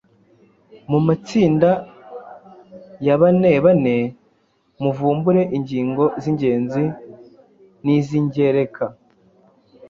Mu matsinda ya banebane muvumbure ingingo z’ingenzi n’iz’ingereka